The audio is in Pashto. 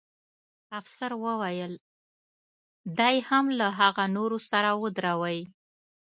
افسر وویل: دی هم له هغه نورو سره ودروئ.